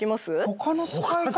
他の使い方？